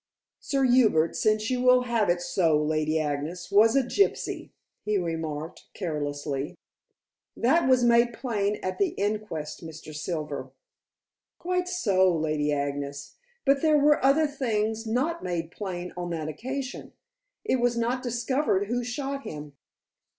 "Sir Hubert, since you will have it so, Lady Agnes, was a gypsy," he remarked carelessly. "That was made plain at the inquest, Mr. Silver." "Quite so, Lady Agnes, but there were other things not made plain on that occasion. It was not discovered who shot him."